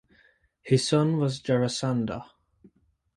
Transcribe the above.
His son was Jarasandha.